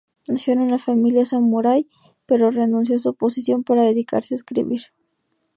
Nació en una familia samurái, pero renunció a su posición para dedicarse a escribir.